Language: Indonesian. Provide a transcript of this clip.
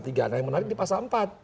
nah yang menarik di pasal empat